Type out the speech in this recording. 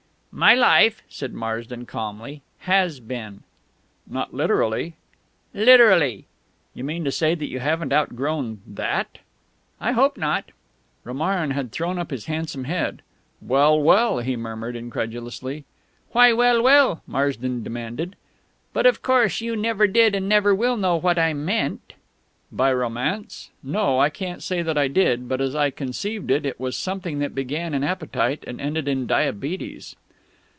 "My life," said Marsden calmly, "has been." "Not literally." "Literally." "You mean to say that you haven't outgrown that?" "I hope not." Romarin had thrown up his handsome head. "Well, well!" he murmured incredulously. "Why 'well, well'?" Marsden demanded.... "But, of course, you never did and never will know what I meant." "By Romance? ... No, I can't say that I did; but as I conceived it, it was something that began in appetite and ended in diabetes."